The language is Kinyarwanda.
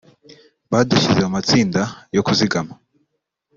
badushyize mu matsinda yo kuzigama